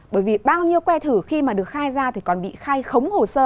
bởi vì bao nhiêu que thử khi mà được khai ra thì còn bị khai khống hồ sơ